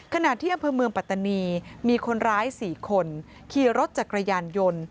ขณะที่อำเภอเมืองปัตตานีมีคนร้าย๔คนขี่รถจักรยานยนต์